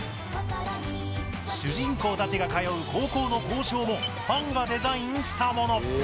主人公たちが通う高校の校章もファンがデザインしたもの。